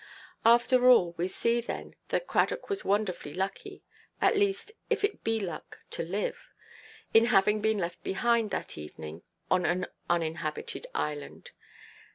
After all, we see then that Cradock was wonderfully lucky—at least, if it be luck to live—in having been left behind, that evening, on an uninhabited island.